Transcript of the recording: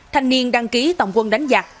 thanh niên đăng ký tổng quân đánh giặc